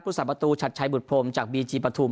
ทุกศาสตร์ประตูชัดใช้บุตรโพรมจากบีจีปฐุม